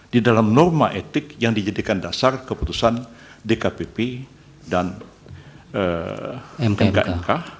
di dalam norma etik yang dijadikan dasar keputusan dkpp dan mkmk